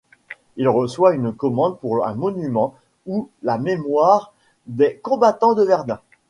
Il reçoit une commande pour un monument à la mémoire des combattants de Verdun.